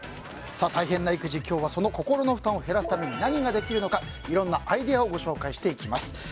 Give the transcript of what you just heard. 大変な育児、今日はその心の負担を減らすために何ができるのか、いろんなアイデアをご紹介していきます。